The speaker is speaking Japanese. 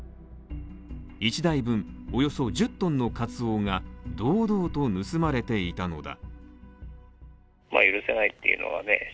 １台分、およそ１０ｔのカツオが堂々と盗まれていたのだ。